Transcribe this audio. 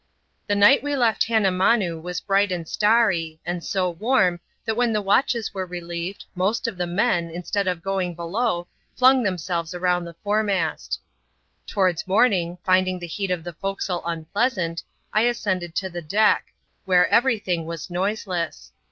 The night we left Hannamanoo was bright and starry, and so warm, that when the watches were relieved, most of the men, instead of going below, flung themselves around the foremast Towards morning, finding the heat of the forecastle unpleasant, I ascended to the deck , where every thing was noiseless.